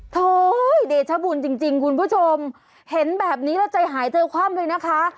โฮเดชบุญจริงคุณผู้ชมเห็นแบบนี้แล้วใจหายใจคว่ำเลยนะคะ